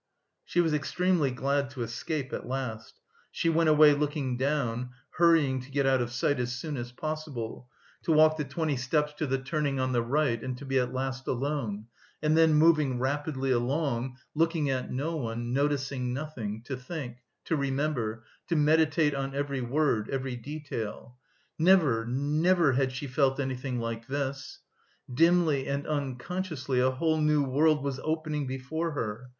She was extremely glad to escape at last; she went away looking down, hurrying to get out of sight as soon as possible, to walk the twenty steps to the turning on the right and to be at last alone, and then moving rapidly along, looking at no one, noticing nothing, to think, to remember, to meditate on every word, every detail. Never, never had she felt anything like this. Dimly and unconsciously a whole new world was opening before her.